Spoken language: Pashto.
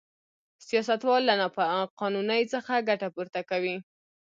سیاستوال له نا قانونۍ څخه ګټه پورته کوي.